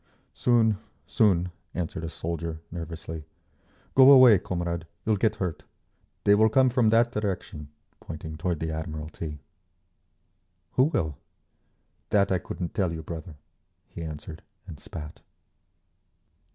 "Soon, soon," answered a soldier, nervously. "Go away, comrade, you'll get hurt. They will come from that direction," pointing toward the Admiralty. "Who will?" "That I couldn't tell you, brother," he answered, and spat.